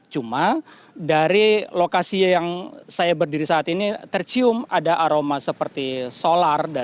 cuma dari lokasi yang saya berdiri saat ini tercium ada aroma seperti solar